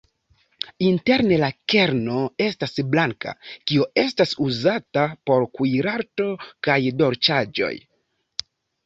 Interne la kerno estas blanka, kio estas uzata por kuirarto kaj dolĉaĵoj.